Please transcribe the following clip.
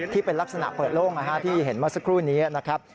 ที่เป็นลักษณะเปิดโล่งที่เห็นเมื่อสักครู่นี้นะครับ